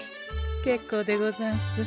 結構でござんす。